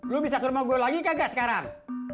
lo bisa ke rumah gue lagi kagak sekarang